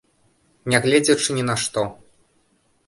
Нягледзячы ні на што.